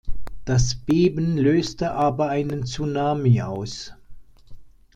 Das Beben löste aber einen Tsunami aus.